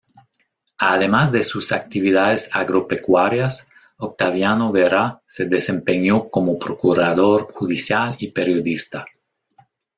Además de sus actividades agropecuarias, Octaviano Vera, se desempeñó como procurador judicial y periodista.